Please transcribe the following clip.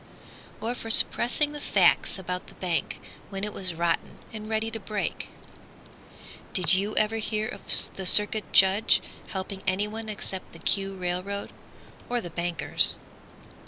Or for suppressing the facts about the bank, When it was rotten and ready to break? Did you ever hear of the Circuit Judge Helping anyone except the "Q" railroad, Or the bankers?